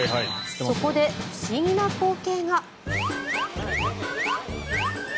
そこで不思議な光景が。